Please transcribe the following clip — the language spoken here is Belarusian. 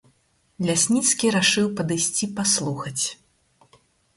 Лясніцкі рашыў падысці, паслухаць.